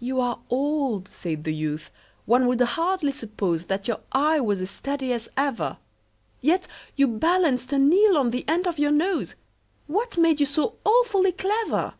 "You are old," said the youth, "one would hardly suppose That your eye was as steady as ever; Yet you balanced an eel on the end of your nose What made you so awfully clever?"